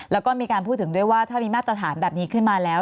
แล้วก็มีการพูดถึงด้วยว่าถ้ามีมาตรฐานแบบนี้ขึ้นมาแล้ว